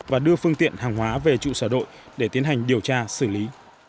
và đưa phương tiện hàng hóa về trụ sở đội để tiến hành điều tra xử lý